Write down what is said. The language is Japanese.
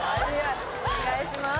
お願いします。